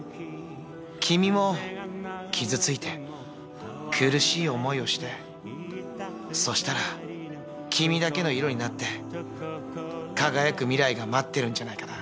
君も傷ついて苦しい思いをしてそしたら君だけの色になって輝く未来が待ってるんじゃないかな。